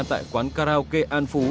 tại quán karaoke an phú